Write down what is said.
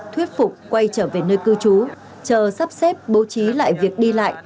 thuyết phục quay trở về nơi cư trú chờ sắp xếp bố trí lại việc đi lại